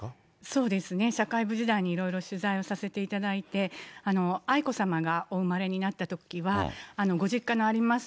そうですね、社会部時代にいろいろ取材をさせていただいて、愛子さまがお生まれになったときは、ご実家のあります